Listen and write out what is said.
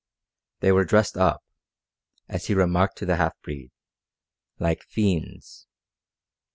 They were dressed up, as he remarked to the half breed, "like fiends."